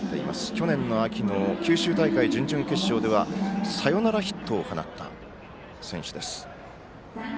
去年の秋の九州大会準々決勝ではサヨナラヒットを放った選手です。